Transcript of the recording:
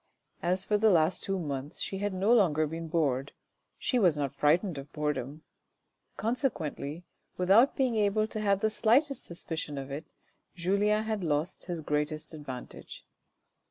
As for the last two months she had no longer been bored, she was not frightened of boredom; consequently, without being able to have the slightest suspicion of it, Julien had lost his greatest advantage.